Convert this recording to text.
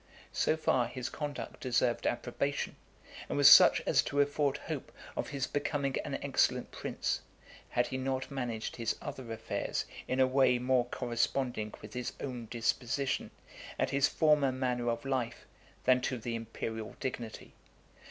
So far his conduct deserved approbation, and was such as to afford hope of his becoming an excellent prince, had he not managed his other affairs in a way more corresponding with his own disposition, and his former manner of life, than to the imperial dignity.